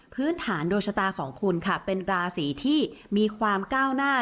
พื้นฐานดวงชะตาของคุณค่ะเป็นราศีที่มีความก้าวหน้า